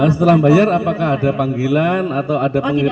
setelah bayar apakah ada panggilan atau ada pengiriman